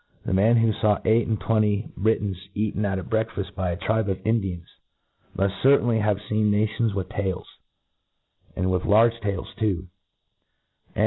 The man who faw eight ^nd twenty Britons eaten iait a brcak faft by a tribe of Indians, muft certainly have feen nations with tails, — and with large tails too j and.